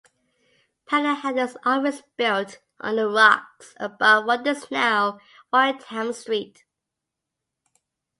Pedder had his office built on the rocks above what is now Wyndham Street.